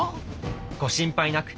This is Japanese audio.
ご心配なく。